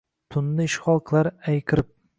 Tunni ishgʼol qilar ayqirib.